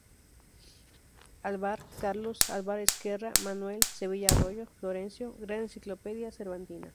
Alvar, Carlos; Alvar Ezquerra, Manuel; Sevilla Arroyo, Florencio: "Gran enciclopedia cervantina".